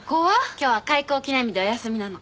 今日は開校記念日でお休みなの。